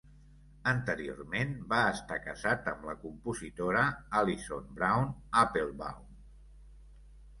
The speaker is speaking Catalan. Anteriorment va estar casat amb la compositora Allyson Brown Applebaum.